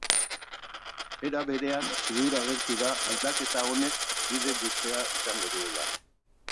Era berean, ziur agertu da aldaketa honek bide luzea izango duela.